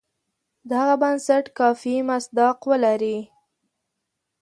دغه بنسټ کافي مصداق ولري.